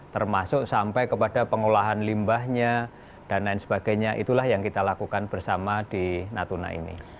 termasuk sampai kepada pengolahan limbahnya dan lain sebagainya itulah yang kita lakukan bersama di natuna ini